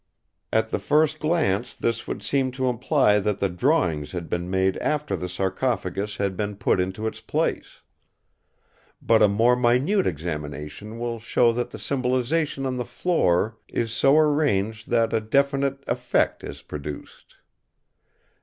At the first glance this would seem to imply that the drawings had been made after the sarcophagus had been put into its place. But a more minute examination will show that the symbolisation on the floor is so arranged that a definite effect is produced.